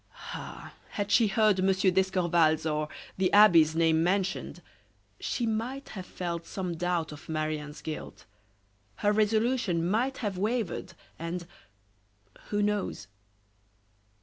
Ah! had she heard Monsieur d'Escorval's or the abbe's name mentioned, she might have felt some doubt of Marie Anne's guilt; her resolution might have wavered, and who knows?